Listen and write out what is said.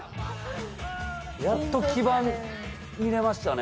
やっと基板見れましたね。